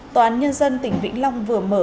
tòa án nhân dân tỉnh vĩnh long vừa mở